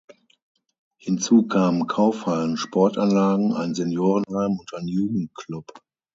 Hinzu kamen Kaufhallen, Sportanlagen, ein Seniorenheim und ein Jugendklub.